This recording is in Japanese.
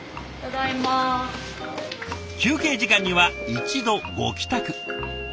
休憩時間には一度ご帰宅。